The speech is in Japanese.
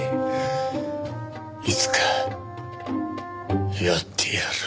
いつかやってやる。